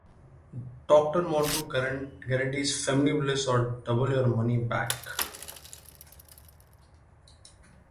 Doctor Monroe guarantees family bliss or double your money back.